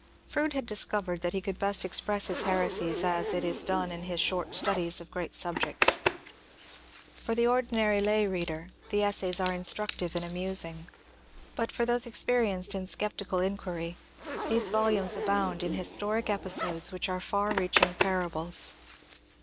Froude had discovered that he could best express his here sies as it is done in his ^^ Short Studies of Great Subjects." For the ordinary lay reader the essays are instructive and amusing, but for those experienced in sceptical inquiry these volumes abound in historic episodes which are far reaching parables.